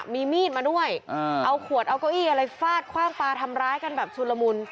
มีมีดมาด้วยเอาขวดเอาเก้าอี้อะไรฟาดคว่างปลาทำร้ายกันแบบชุลมุน